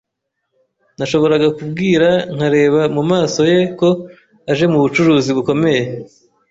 Nashoboraga kubwira nkareba mumaso ye ko yaje mubucuruzi bukomeye.